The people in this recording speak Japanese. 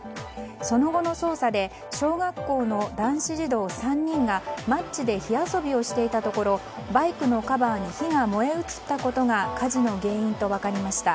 その後の捜査で小学校の男子児童３人がマッチで火遊びをしていたところバイクのカバーに火が燃え移ったことが火事の原因と分かりました。